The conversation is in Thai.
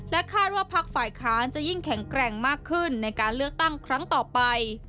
คาดว่าพักฝ่ายค้านจะยิ่งแข็งแกร่งมากขึ้นในการเลือกตั้งครั้งต่อไป